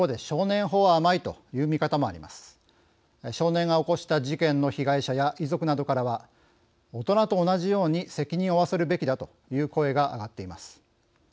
少年が起こした事件の被害者や遺族などからは「大人と同じように責任を負わせるべきだ」という声が上がっています。